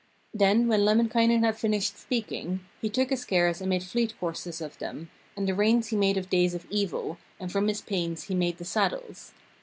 "' Then when Lemminkainen had finished speaking, he took his cares and made fleet coursers of them, and the reins he made of days of evil, and from his pains he made the saddles.